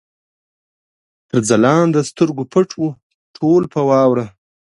تر ځلانده سترګو پټ وو، ټول په واوره